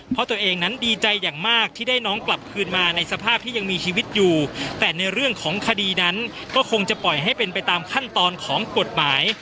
เพราะตัวเองนั้นดีใจอย่างมากที่ได้น้องกลับคืนมาในสภาพที่ยังมีชีวิตอยู่แต่ในเรื่องของคดีนั้นก็คงจะปล่อยให้เป็นไปตามขั้นตอนของกฎหมาย